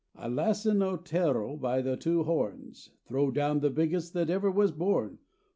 I lass' an otero by the two horns Throw down the biggest that ever was born.